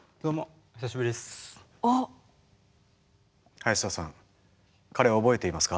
林田さん彼を覚えていますか？